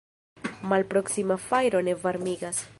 Malproksima fajro ne varmigas.